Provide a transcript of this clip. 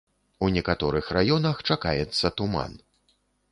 У некаторых раёнах чакаецца туман.